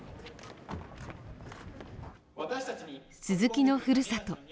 鈴木のふるさと